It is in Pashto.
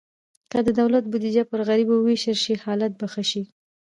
که د دولت بودیجه پر غریبو ووېشل شي، حالت به ښه شي.